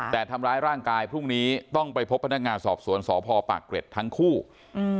แต่ทำร้ายร่างกายพรุ่งนี้ต้องไปพบพนักงานสอบสวนสพปากเกร็ดทั้งคู่อืม